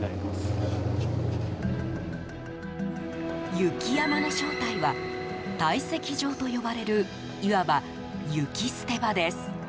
雪山の正体は堆積場と呼ばれるいわば雪捨て場です。